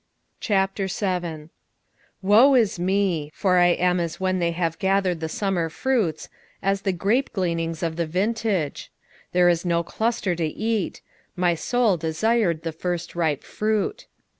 7:1 Woe is me! for I am as when they have gathered the summer fruits, as the grapegleanings of the vintage: there is no cluster to eat: my soul desired the firstripe fruit.